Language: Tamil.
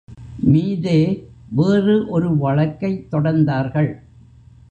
மீதே வேறு ஒரு வழக்கைத் தொடர்ந்தார்கள்.